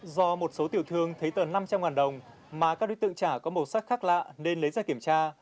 do một số tiểu thương thấy tờ năm trăm linh đồng mà các đối tượng trả có màu sắc khác lạ nên lấy ra kiểm tra